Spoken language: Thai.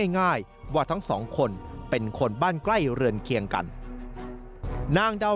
ง่ายว่าทั้งสองคนเป็นคนบ้านใกล้เรือนเคียงกันนางดาว